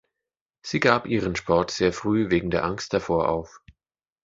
Sie gab ihren Sport sehr früh wegen der Angst davor auf.